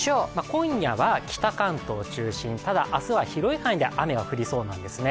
今夜は北関東を中心に、ただ明日は、広い範囲で雨が降りそうなんですね。